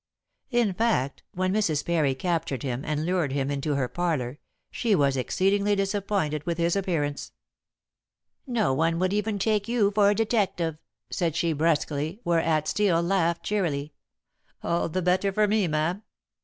In fact, when Mrs. Parry captured him and lured him into her parlor, she was exceedingly disappointed with his appearance. "No one would even take you for a detective," said she brusquely, whereat Steel laughed cheerily. "All the better for me, ma'am.